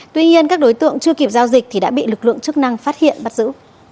tuy nhiên các đối tượng chưa kịp giao dịch thì đã bị lực lượng chức năng phát hiện bắt giữ